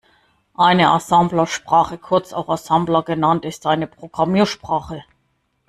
Eine Assemblersprache, kurz auch Assembler genannt, ist eine Programmiersprache.